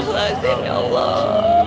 astagfirullahaladzim ya allah